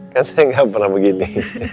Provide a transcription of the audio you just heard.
kan saya nggak pernah begini